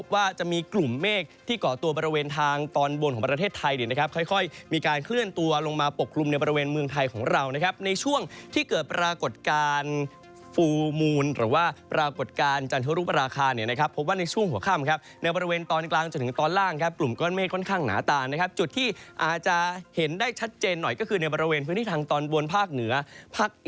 ว่าจะมีกลุ่มเมฆที่ก่อตัวบริเวณทางตอนบนของประเทศไทยนะครับค่อยมีการเคลื่อนตัวลงมาปกลุ่มในบริเวณเมืองไทยของเรานะครับในช่วงที่เกิดปรากฏการณ์ฟูลมูลหรือว่าปรากฏการณ์จันทรุปราคาเนี่ยนะครับพบว่าในช่วงหัวค่ำครับในบริเวณตอนกลางจนถึงตอนล่างครับกลุ่มก้อนเมฆค่อนข